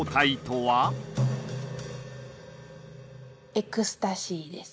エクスタシーです。